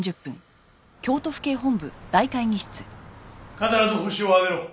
必ずホシを挙げろ。